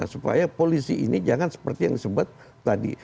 supaya polisi ini jangan seperti yang disebut tadi